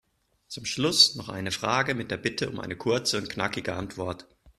Zum Schluss noch eine Frage mit der Bitte um eine kurze und knackige Antwort.